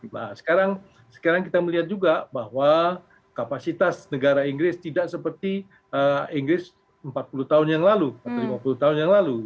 nah sekarang kita melihat juga bahwa kapasitas negara inggris tidak seperti inggris empat puluh tahun yang lalu atau lima puluh tahun yang lalu